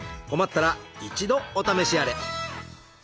困ったら一度お試しあれ。